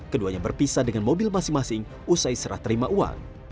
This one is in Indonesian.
keduanya berpisah dengan mobil masing masing usai serah terima uang